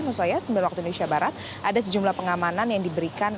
maksud saya sembilan waktu indonesia barat ada sejumlah pengamanan yang diberikan